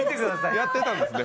やってたんですね。